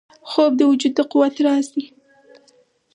خوب د وجود د قوت راز دی